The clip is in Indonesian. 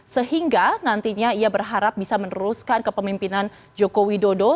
sehingga nantinya ia berharap bisa meneruskan kepemimpinan jokowi dodo